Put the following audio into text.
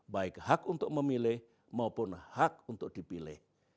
baik hak untuk memilih maupun hak untuk dipilih